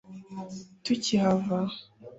tukihava